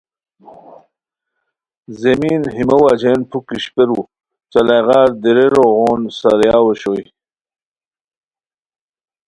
زمین ہیمو وجہین پُھک اشپیرو چالائیغار دریرو غون سارییاؤ اوشوئے